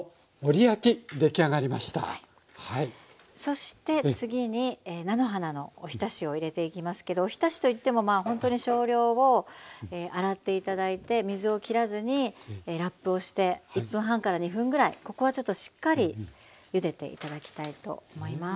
そして次に菜の花のおひたしを入れていきますけどおひたしといってもまあほんとに少量を洗って頂いて水をきらずにラップをして１分半２分ぐらいここはちょっとしっかりゆでて頂きたいと思います。